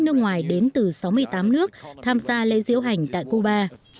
năm ngoái đến từ sáu mươi tám nước tham gia lễ diễu hành tại cuba